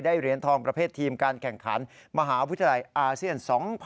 เหรียญทองประเภททีมการแข่งขันมหาวิทยาลัยอาเซียน๒๐๑๖